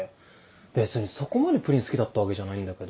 別にそこまでプリン好きだったわけじゃないんだけど。